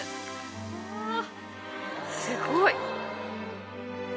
あすごい！